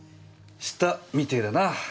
したみてえだなぁ。